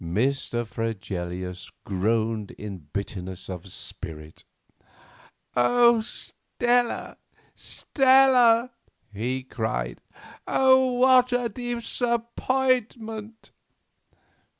Mr. Fregelius groaned in bitterness of spirit. "Oh, Stella, Stella," he cried, "what a disappointment!"